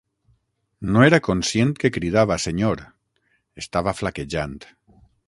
"No era conscient que cridava, senyor", estava flaquejant.